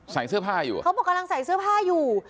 ใส่เสื้อผ้าอยู่เขาบอกกำลังใส่เสื้อผ้าอยู่